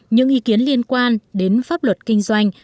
những ý kiến liên quan đến pháp luật kinh doanh